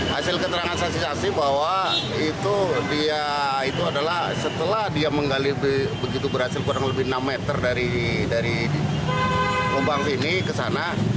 hasil keterangan saksi saksi bahwa itu dia itu adalah setelah dia menggali begitu berhasil kurang lebih enam meter dari lubang sini ke sana